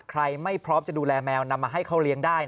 ไม่พร้อมจะดูแลแมวนำมาให้เขาเลี้ยงได้